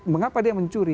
mengapa dia mencuri